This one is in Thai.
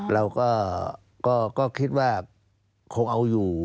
เราก็คิดว่าคงเอาอยู่